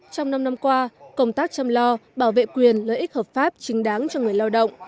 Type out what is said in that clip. trong năm năm qua công tác chăm lo bảo vệ quyền lợi ích hợp pháp chính đáng cho người lao động